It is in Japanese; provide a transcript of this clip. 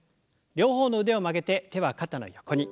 両方の腕を曲げて手は肩の横に。